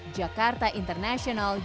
jakarta international music